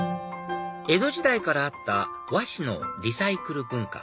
江戸時代からあった和紙のリサイクル文化